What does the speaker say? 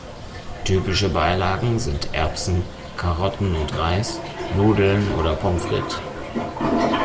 Typische Beilagen sind Erbsen, Karotten und Reis, Nudeln oder Pommes frites.